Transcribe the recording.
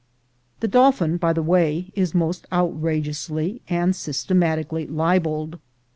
The dolphin, by the way, is most outrageously and systematically libeled.